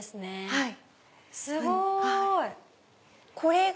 はい。